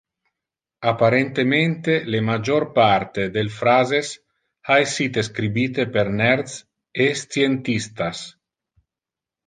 Apparentemente, le major parte del phrases ha essite scribite per nerds e scientistas.